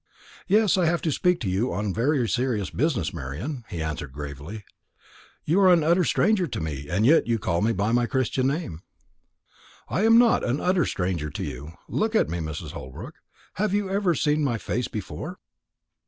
"Yes, I have to speak to you on very serious business, Marian," he answered gravely. "You are an utter stranger to me, and yet call me by my Christian name." "I am not an utter stranger to you. Look at me, Mrs. Holbrook. Have you never seen my face before?"